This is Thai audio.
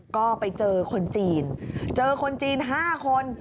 ก็ไปเจอคนจีนเจอคนจีน๕คน